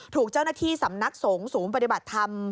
ถูกเจ้าหน้าที่สำนักสงฆ์ศูนย์ปฏิบัติธรรม